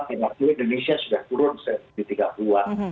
indonesia sudah turun ke ratusan ribu